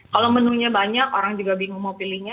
kalau menunya banyak orang juga bingung mau pilihnya